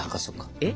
えっ？